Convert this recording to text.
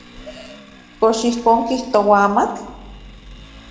¿Kox ijkon kijtoa amatl?